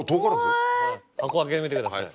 箱開けてみてください。